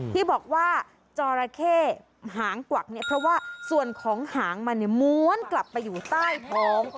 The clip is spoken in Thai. ที่บอกว่าจอราเข้หางกวักเนี่ยเพราะว่าส่วนของหางมันเนี่ยม้วนกลับไปอยู่ใต้ท้อง